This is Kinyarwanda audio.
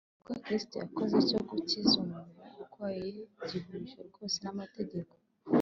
. Igikorwa Kristo yakoze cyo gukiza umuntu urwaye gihuje rwose n’amategeko.